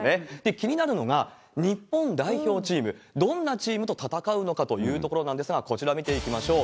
気になるのが、日本代表チーム、どんなチームと戦うのかというところなんですが、こちら見ていきましょう。